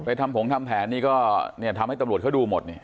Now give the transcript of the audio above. ทำผงทำแผนนี่ก็เนี่ยทำให้ตำรวจเขาดูหมดนี่